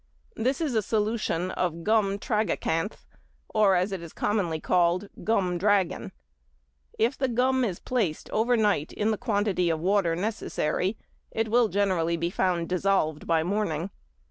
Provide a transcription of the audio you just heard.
This is a solution of gum tragacanth, or as it is commonly called, gum dragon. If the gum is placed over night in the quantity of water necessary it will generally be found dissolved by the morning.